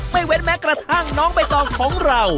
เว้นแม้กระทั่งน้องใบตองของเรา